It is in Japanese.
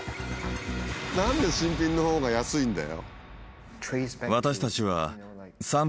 何で新品のほうが安いんだよ。